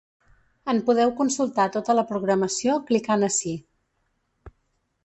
En podeu consultar tota la programació clicant ací.